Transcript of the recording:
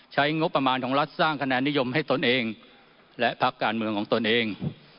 ใช้งบประมาณของรัฐสร้างคะแนนนิยมให้ตนเองและพักการเมืองของตนเอง